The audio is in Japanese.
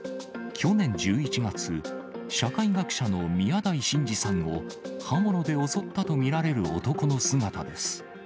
去年１１月、社会学者の宮台真司さんを刃物で襲ったと見られる男の姿です。